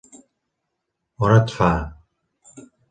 On et fa.?